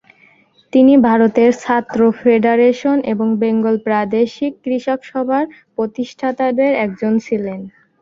তিনি ভারতের ছাত্র ফেডারেশন ও বেঙ্গল প্রাদেশিক কৃষক সভার প্রতিষ্ঠাতাদের একজন ছিলেন।